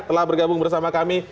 telah bergabung bersama kami